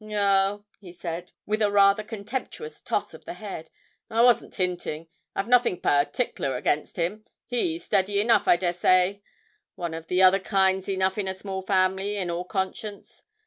'Oh,' he said, with a rather contemptuous toss of the head, 'I wasn't hinting. I've nothing partickler against him he's steady enough, I dessay. One of the other kind's enough in a small family, in all conscience!